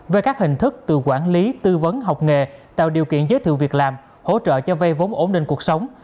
về các hình thức từ quản lý tư vấn học nghề tạo điều kiện giới thiệu việc làm hỗ trợ cho vay vốn ổn định cuộc sống